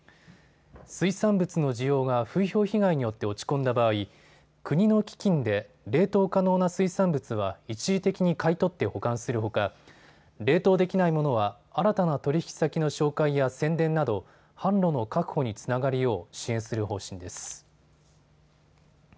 水産物の需要が風評被害によって落ち込んだ場合国の基金で冷凍可能な水産物は一時的に買い取って保管するほか冷凍できないものは新たな取引先の紹介や宣伝など販路の確保につながるよう支援する方針です。